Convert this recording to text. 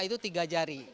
itu tiga jari